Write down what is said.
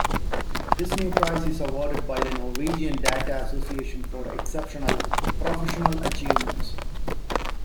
This new prize is awarded by the Norwegian Data Association for exceptional professional achievements.